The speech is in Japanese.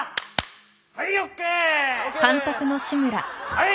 はい。